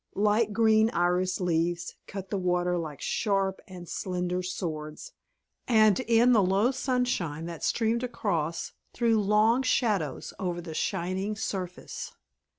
Light green iris leaves cut the water like sharp and slender swords, and, in the low sunshine that streamed across, threw long shadows over the shining surface.